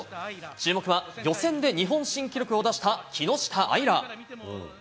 注目は、予選で日本新記録を出した木下あいら。